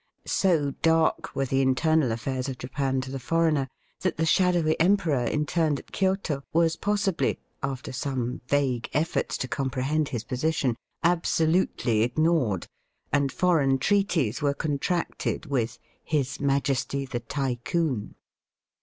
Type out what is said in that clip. So dark were the internal affairs of Japan to the foreigner that th6 shadowy emperor interned at Kioto was possibly, after some vague efforts to compre hend his position, absolutely ignored, and foreign treaties were contracted with "his Majesty the Tycoon.''